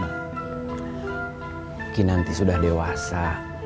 mungkin nanti sudah dewasa